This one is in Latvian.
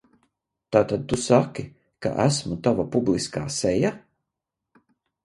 Tātad tu saki, ka esmu tava publiskā seja?